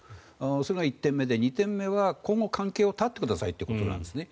それが１点目で２点目は今後、関係を断ってくださいということなんですね。